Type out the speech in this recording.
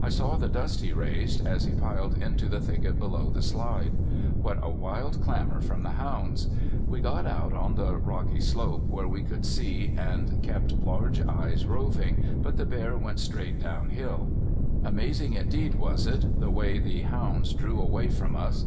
I saw the dust he raised, as he piled into the thicket below the slide. What a wild clamor from the hounds! We got out on the rocky slope where we could see and kept sharp eyes roving, but the bear went straight down hill. Amazing indeed was it the way the hounds drew away from us.